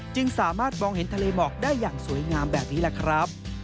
จึงสามารถมองเห็นทะเลหมอกได้อย่างสวยงามแบบนี้แหละครับ